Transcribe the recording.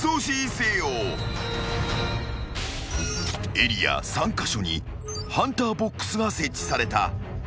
［エリア３カ所にハンターボックスが設置された］